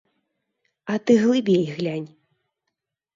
А ты глыбей глянь.